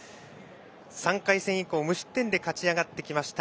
３回戦以降無失点で勝ち上がってきました。